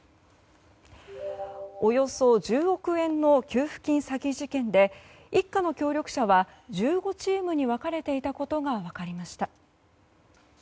およそ１０億円の給付金詐欺事件で一家の協力者は１５チームに分かれていたことが分かりました。